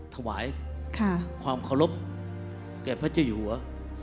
ถวายความขอรบแก่พระเจ้าหญิง